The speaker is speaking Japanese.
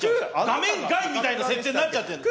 画面外みたいな設定になっちゃってる。